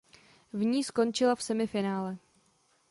V ní skončila v semifinále.